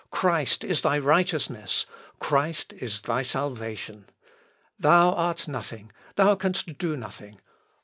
Christ is thy righteousness! Christ is thy salvation! Thou art nothing, thou canst do nothing!